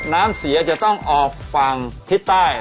น้ำเสียจะต้องออกฝั่งทิศใต้